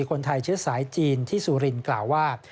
คนไทยเชื้อสายจีนที่สุรินทร์กล่าวว่า